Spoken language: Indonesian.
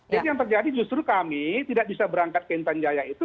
jadi yang terjadi justru kami tidak bisa berangkat ke intan jaya itu